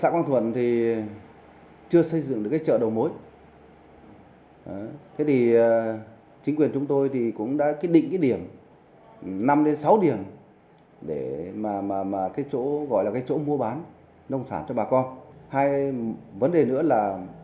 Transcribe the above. để trong một cái những định điểm ở năm đến sáu điểm gọi là mua bán nông sản cho bà con hay vấn đề nữa là